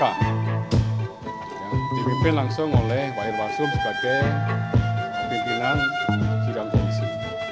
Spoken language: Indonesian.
yang dimimpin langsung oleh pak irwan sub sebagai pimpinan sidang komisi